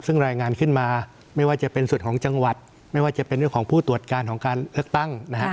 ซึ่งรายงานขึ้นมาไม่ว่าจะเป็นส่วนของจังหวัดไม่ว่าจะเป็นเรื่องของผู้ตรวจการของการเลือกตั้งนะฮะ